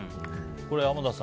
濱田さん